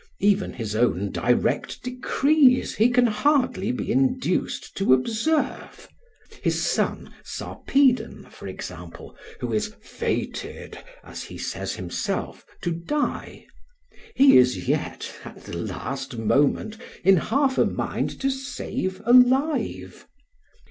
Even his own direct decrees he can hardly be induced to observe. His son Sarpedon, for example, who is "fated," as he says himself, to die, he is yet at the last moment in half a mind to save alive!